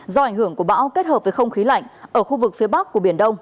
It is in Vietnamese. do ảnh hưởng của bão kết hợp với không khí lạnh ở khu vực phía bắc của biển đông